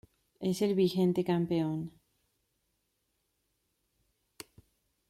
Es el vigente campeón.